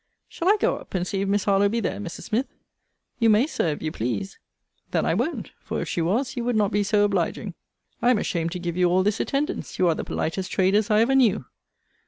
Shall I go up, and see if Miss Harlowe be there, Mrs. Smith? You may, Sir, if you please. Then I won't; for, if she was, you would not be so obliging. I am ashamed to give you all this attendance: you are the politest traders I ever knew.